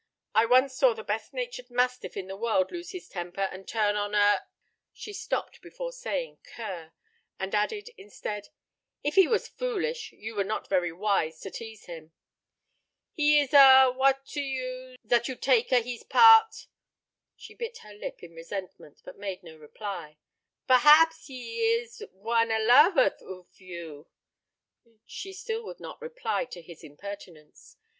"I once saw the best natured mastiff in the world lose his temper and turn on a " She stopped before saying "cur," and added instead: "If he was foolish, you were not very wise to tease him." "He is a what to you, zat you take a hees part?" She bit her lip in resentment, but made no reply. "Pare haps he is one a lover oof you?" Still she would not reply to his impertinence.